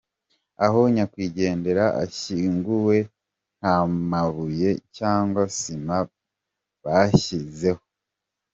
Aho nyakwigendera ashyinguwe, ntamabuye cyangwa sima bashyizeho.